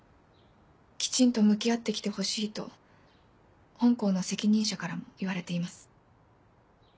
きちんと向き合ってきてほしいと本校の責任者からも言われています。